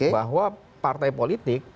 bahwa partai politik